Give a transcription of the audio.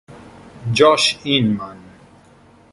Josh Inman